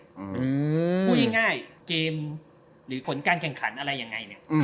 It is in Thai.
พูดง่ายเกมหรือผลการแข่งขันอะไรยังไงเนี่ย